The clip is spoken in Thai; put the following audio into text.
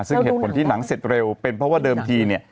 ซึ่งเหตุผลที่หนังเสร็จเร็วเป็นเพราะว่าเดิมทีเนี่ย